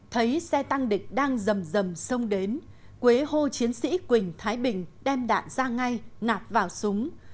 thấy xe tăng địch đang dầm rầm sông đến quế hô chiến sĩ quỳnh thái bình đem đạn ra ngay nạp vào súng